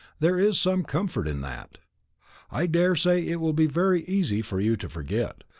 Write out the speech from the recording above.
There is some comfort in that. I daresay it will be very easy for you to forget.